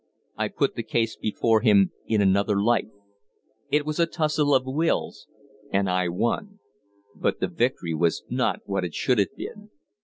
I put the case before him in another light. It was a tussle of wills and I won; but the victory was not what it should have been.